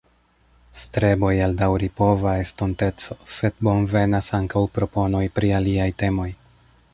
Streboj al daŭripova estonteco, sed bonvenas ankaŭ proponoj pri aliaj temoj.